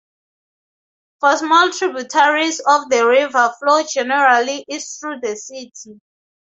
Four small tributaries of the river flow generally east through the city.